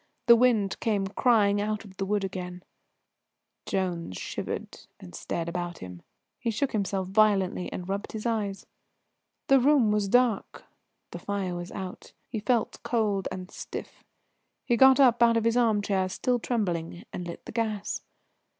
The wind came crying out of the wood again. Jones shivered and stared about him. He shook himself violently and rubbed his eyes. The room was dark, the fire was out; he felt cold and stiff. He got up out of his armchair, still trembling, and lit the gas.